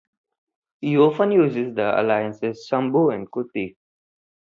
He often used the aliases "Sambhu" and "Kutti".